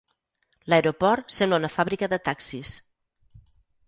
L'aeroport sembla una fàbrica de taxis.